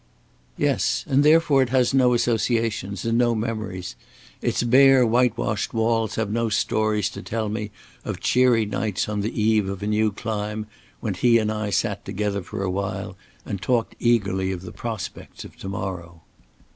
"Yes. And therefore it has no associations, and no memories. Its bare whitewashed walls have no stories to tell me of cheery nights on the eve of a new climb when he and I sat together for a while and talked eagerly of the prospects of to morrow."